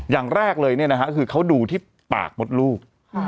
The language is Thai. อย่างแรกเลยคือเขาดูที่ปากมดลูก